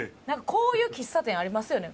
こういう喫茶店ありますよね